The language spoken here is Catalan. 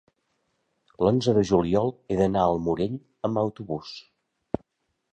l'onze de juliol he d'anar al Morell amb autobús.